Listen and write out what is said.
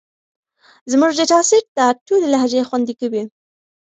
زموږ ډیټا سیټ دا ټولې لهجې خوندي کوي.